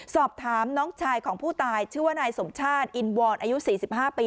สอบถามน้องชายของผู้ตายชื่อว่านายสมชาติอินวรอายุ๔๕ปี